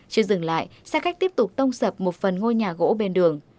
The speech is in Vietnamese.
chưa dừng lại xe khách tiếp tục tông sập một phần ngôi nhà gỗ bên đường